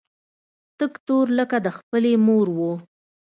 تک تور لکه د خپلې مور و.